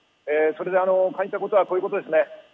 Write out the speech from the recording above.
感じたことはこういうことです。